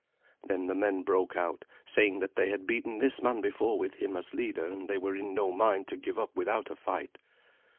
Then the men broke out, saying that they had beaten this man before with him as leader, and they were in no mind to give up without a fight.